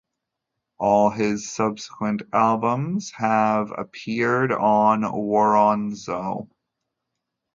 All his subsequent albums have appeared on Woronzow.